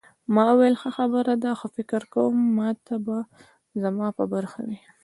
ما وویل ښه خبره ده خو فکر کوم ماتې به زما په برخه وي.